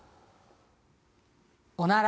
おなら。